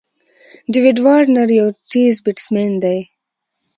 داويد وارنر یو تېز بېټسمېن دئ.